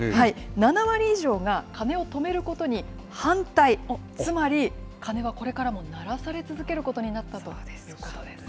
７割以上が鐘を止めることに反対、つまり鐘はこれからも鳴らされ続けることになったということです。